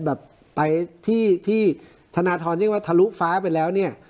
แบบไปที่ที่ธนาธรณ์ซึ่งว่าทะลุฟ้าไปแล้วเนี้ย